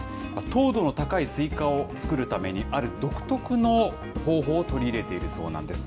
糖度の高いスイカを作るためにある独特の方法を取り入れているそうなんです。